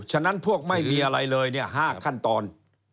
ฉะนั้นพวกไม่มีอะไรเลย๕ขั้นตอน